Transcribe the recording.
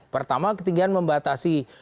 pertama ketinggian membatasi